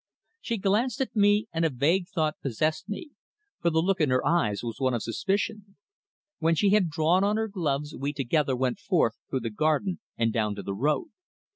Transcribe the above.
She glanced at me, and a vague thought possessed me, for the look in her eyes was one of suspicion. When she had drawn on her gloves we together went forth through the garden and down to the road.